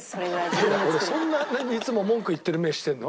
俺そんないつも文句言ってる目してるの？